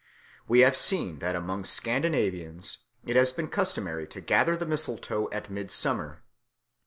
We have seen that among Scandinavians it has been customary to gather the mistletoe at midsummer.